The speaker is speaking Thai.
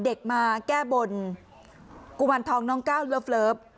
เด็กมาแก้บนกุมารทองน้องก้าวเลิฟ